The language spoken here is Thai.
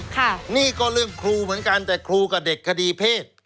ค่ะนี่ก็เรื่องครูเหมือนกันแต่ครูกับเด็กคดีเพศ